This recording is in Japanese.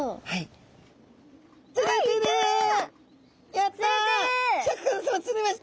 やった！